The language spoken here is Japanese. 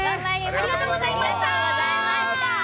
ありがとうございます。